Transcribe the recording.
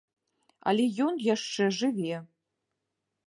Але ён яшчэ жыве.